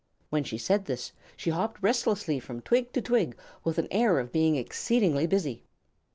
When she said this, she hopped restlessly from twig to twig with an air of being exceedingly busy.